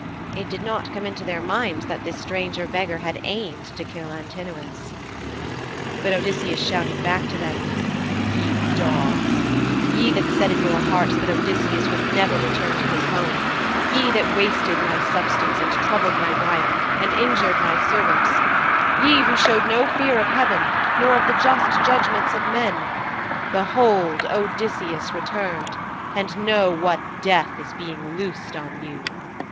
It did not come into their minds that this stranger beggar had aimed to kill Antinous. But Odysseus shouted back to them, 'Ye dogs, ye that said in your hearts that Odysseus would never return to his home, ye that wasted my substance, and troubled my wife, and injured my servants; ye who showed no fear of heaven, nor of the just judgements of men; behold Odysseus returned, and know what death is being loosed on you!'